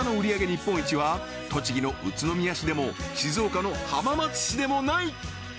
日本一は栃木の宇都宮市でも静岡の浜松市でもない